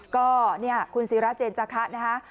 ก็เนี่ยคุณศิราเจนจาคะนะคะ